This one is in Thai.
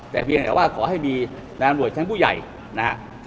แต่เพียงแต่ว่าขอให้มีนายอำรวจชั้นผู้ใหญ่นะครับ